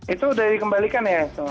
itu sudah dikembalikan ya